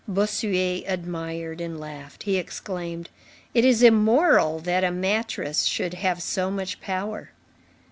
Bossuet admired and laughed. He exclaimed: "It is immoral that a mattress should have so much power.